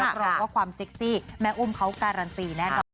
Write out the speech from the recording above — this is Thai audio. รองว่าความเซ็กซี่แม่อุ้มเขาการันตีแน่นอน